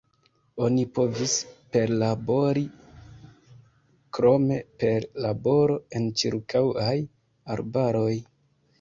Oni povis perlabori krome per laboro en ĉirkaŭaj arbaroj.